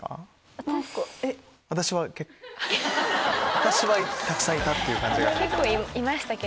私はたくさんいたっていう感じが。